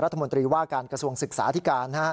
รัฐมนตรีว่าการกระทรวงศึกษาที่การ